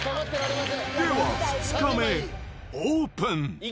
では、２日目オープン！